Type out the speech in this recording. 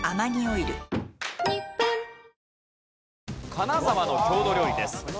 金沢の郷土料理です。